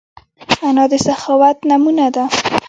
انا د سخاوت نمونه ده